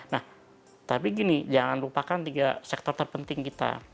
nah tapi gini jangan lupakan tiga sektor terpenting kita